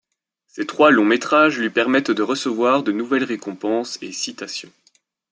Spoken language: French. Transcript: Ses trois longs métrages lui permettent de recevoir de nouvelles récompenses et citations.